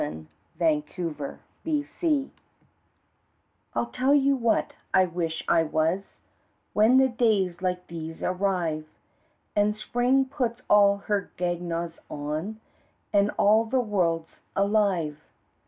] Back on the Farm I'll tell you what I wish I was, When days like these arrive, An' spring puts all her gewgaws on, An' all the world's alive.